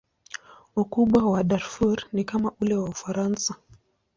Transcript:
Ukubwa wa Darfur ni kama ule wa Ufaransa.